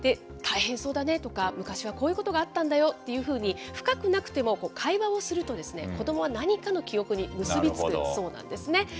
大変そうだねとか、昔はこういうことがあったんだよというふうに、深くなくても会話をするとですね、子どもは何かの記憶に結び付くそうなんですね。